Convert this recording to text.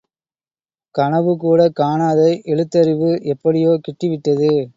கனவுகூட காணாத எழுத்தறிவு எப்படியோ கிட்டிவிட்டது.